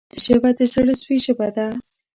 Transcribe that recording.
ژبه د زړه سوي ژبه ده